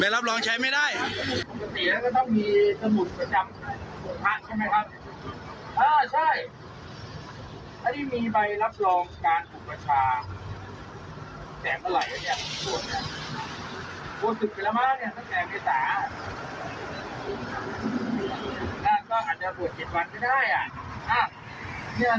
แล้วลูกพี่มีไขบัตรจัดตัวไหมไขสุขี้อะไรอ่ะ